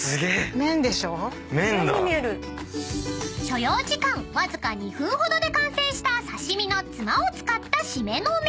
［所要時間わずか２分ほどで完成した刺し身のツマを使った締めの麺］